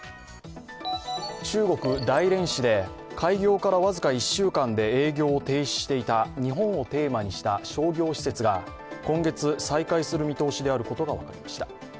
中国・大連市で開業から僅か１週間で営業を停止していた日本をテーマにした商業施設が今月、再開する見通しであることが分かりました。